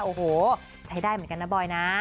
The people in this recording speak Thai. โอ้โหใช้ได้เหมือนกันนะบอยนะ